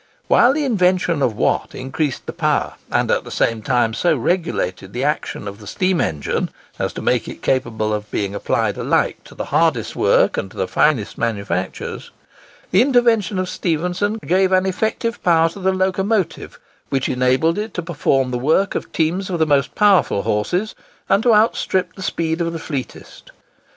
While the invention of Watt increased the power, and at the same time so regulated the action of the steam engine, as to make it capable of being applied alike to the hardest work and to the finest manufactures, the invention of Stephenson gave an effective power to the locomotive, which enabled it to perform the work of teams of the most powerful horses, and to outstrip the speed of the fleetest.